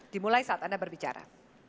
dimulai saat anda berbicara